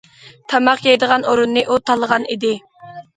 تاماق يەيدىغان ئورۇننى ئۇ تاللىغان ئىدى.